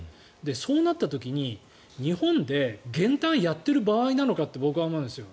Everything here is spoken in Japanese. そうなった時に日本で減反やっている場合なのかって僕は思うんですよ。